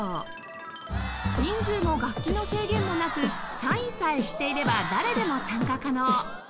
人数も楽器の制限もなくサインさえ知っていれば誰でも参加可能